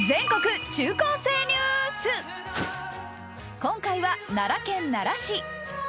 今回は奈良県奈良市。